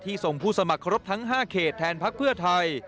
ที่ส่งผู้สมัครครบทั้ง๕เขต